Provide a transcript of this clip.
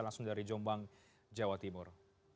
langsung dari jombang jawa timur